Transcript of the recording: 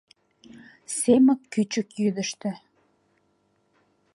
Семык кӱчык йӱдыштӧ.